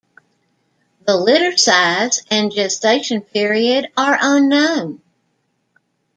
The litter size and gestation period are unknown.